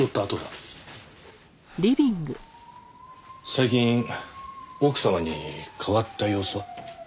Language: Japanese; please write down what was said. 最近奥様に変わった様子は？